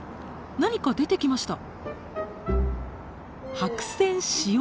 何か出てきました。